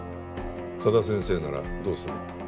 佐田先生ならどうする？